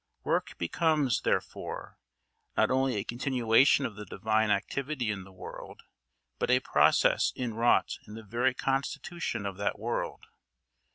Work becomes, therefore, not only a continuation of the divine activity in the world, but a process inwrought in the very constitution of that world.